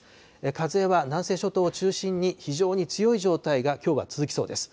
風は南西諸島を中心に非常に強い状態がきょうは続きそうです。